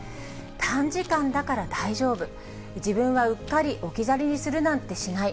短時間だから大丈夫、自分はうっかり置き去りにするなんてしない。